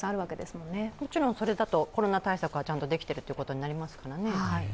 もちろん、それだとコロナ対策はできているということになりますからね。